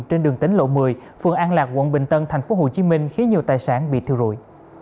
trên đường tính lộ một mươi phường an lạc quận bình tân tp hcm khiến nhiều tài sản bị thiêu rụi